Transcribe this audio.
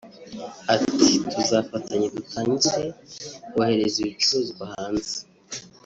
Ati “Tuzafatanya dutangire kohereza ibicuruzwa hanze